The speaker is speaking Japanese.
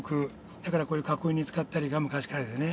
だからこういう囲いに使ったりが昔からでね。